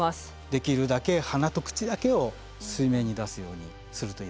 できるだけ鼻と口だけを水面に出すようにするといいですね。